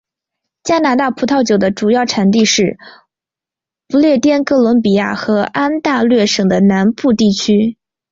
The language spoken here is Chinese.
加拿大葡萄酒的主要产地是不列颠哥伦比亚和安大略省的南部地区。